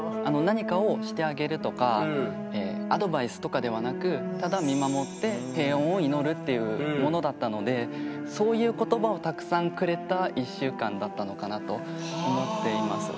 何かをしてあげるとかアドバイスとかではなくっていうものだったのでそういう言葉をたくさんくれた１週間だったのかなと思っています。